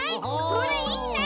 それいいね！